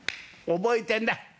覚えてんだ。